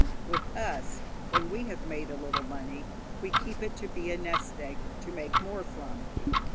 With us, when we have made a little money we keep it to be a nest egg to make more from.